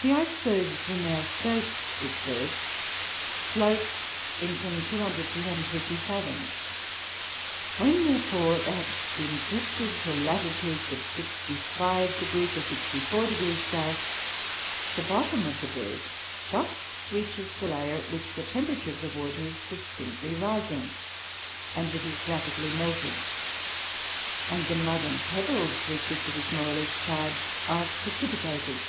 "The icebergs, when they are first dispersed, float in from 200 to 250 fathoms. When, therefore, they have been drifted to latitudes of 65° or 64° S., the bottom of the berg just reaches the layer at which the temperature of the water is distinctly rising, and it is rapidly melted, and the mud and pebbles with which it is more or less charged are precipitated.